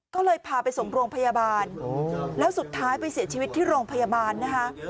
ก็เลยพาไปส่งโรงพยาบาลแล้วสุดท้ายไปเสียชีวิตที่โรงพยาบาลนะคะ